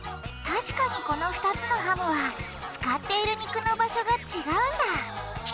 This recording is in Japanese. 確かにこの２つのハムは使っている肉の場所がちがうんだ。